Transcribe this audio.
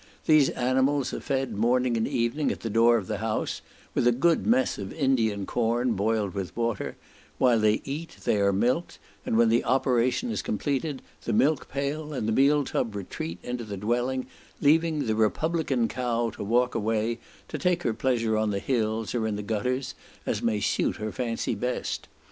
These animals are fed morning and evening at the door of the house, with a good mess of Indian corn, boiled with water; while they eat, they are milked, and when the operation is completed the milk pail and the meal tub retreat into the dwelling, leaving the republican cow to walk away, to take her pleasure on the hills, or in the gutters, as may suit her fancy best.